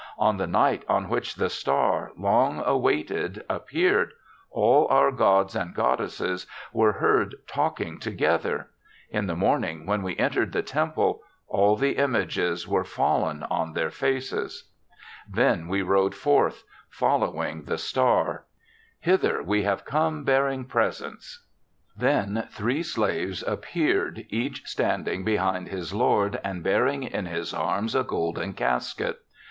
On the night on which the star, long awaited, appeared, all our gods and goddesses were heard talking together; in the morning when we entered the temple, all the images were fallen on their faces. Then we rode forth, following the THE SEVENTH CHRISTMAS 39 star. Hither we have come bearing presents/ "Then three slaves appeared, each standing behind his lord and bearing in his arms a golden casket.